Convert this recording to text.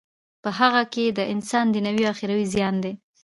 په هغه کی د انسان دینوی او اخروی زیان دی.